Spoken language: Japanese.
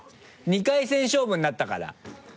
２回戦勝負になったから。